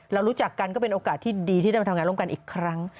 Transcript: เรารู้จักกันก็เป็นโอกาสที่ดีที่ได้มาทำงานร่วมกันอีกครั้ง